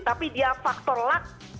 tapi dia faktor luck